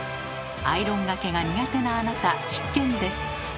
アイロンがけが苦手なあなた必見です。